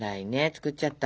作っちゃった！